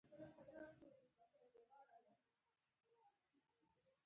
آسونه وشڼېدل.